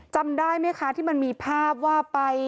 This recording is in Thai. จำได้ไหมคะที่มันมีภาพว่าไป